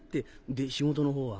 で仕事のほうは？